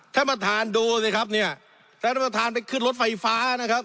ท่านประธานดูสิครับเนี่ยท่านประธานไปขึ้นรถไฟฟ้านะครับ